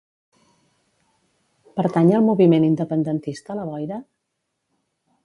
Pertany al moviment independentista la Boira?